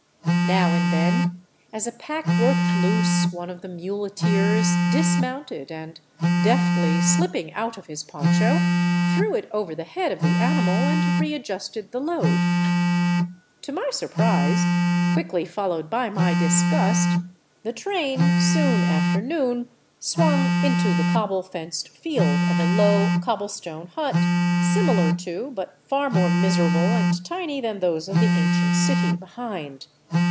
Now and then, as a pack worked loose, one of the muleteers dismounted and, deftly slipping out of his poncho, threw it over the head of the animal and readjusted the load. To my surprise, quickly followed by my disgust, the train soon after noon swung into the cob ble fenced field of a low, cobble stone hut, similar to, but far more miserable and tiny than those of the ancient city behind.